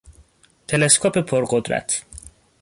تلسکوپ پرقدرت